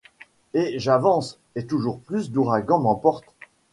Et j'avance, et toujours plus d'ouragan m'emporte…